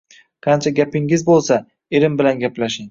Qancha gapingiz bo`lsa, erim bilan gaplashing